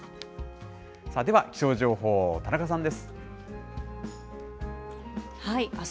では気象情報、田中さんです。